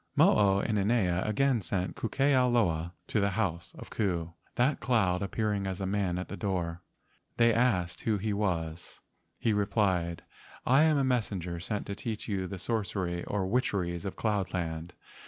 Mo o inanea again sent Ku ke ao loa to the house of Ku, that cloud appearing as a man at their door. They asked who he was. He replied: "I am a messenger sent to teach you the sorcery or witcheries of cloud land.